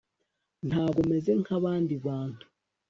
ntabwo meze nkabandi bantu